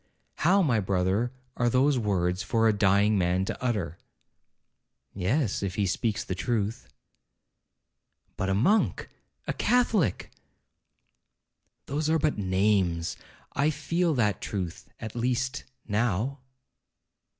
'How, my brother, are those words for a dying man to utter?' 'Yes, if he speaks the truth.' 'But a monk?—a catholic?' 'Those are but names—I feel that truth, at least, now.'